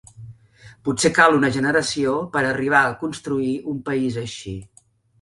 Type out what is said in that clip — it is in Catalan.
Potser cal una generació per a arribar a construir un país així.